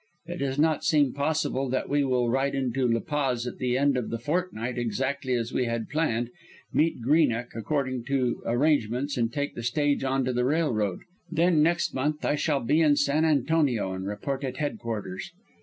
It does not seem possible but that we will ride into La Paz at the end of the fortnight exactly as we had planned, meet Greenock according to arrangements and take the stage on to the railroad. Then next month I shall be in San Antonio and report at headquarters.